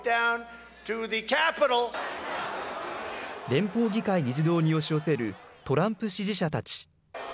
連邦議会議事堂に押し寄せるトランプ支持者たち。